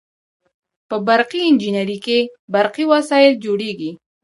په برقي انجنیری کې برقي وسایل جوړیږي.